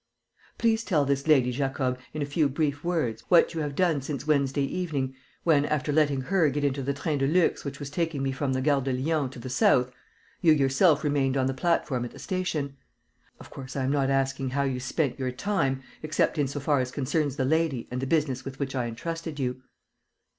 "Please tell this lady, Jacob, in a few brief words, what you have done since Wednesday evening, when, after letting her get into the train de luxe which was taking me from the Gare de Lyon to the south, you yourself remained on the platform at the station. Of course, I am not asking how you spent your time, except in so far as concerns the lady and the business with which I entrusted you."